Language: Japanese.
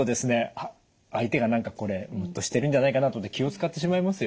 あっ相手が何かこれムッとしてるんじゃないかなと思って気を遣ってしまいますよね。